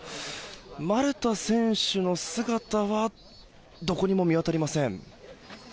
丸田選手の姿はどこにも見当たりません。